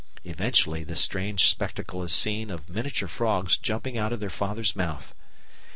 Eventually the strange spectacle is seen of miniature frogs jumping out of their father's mouth.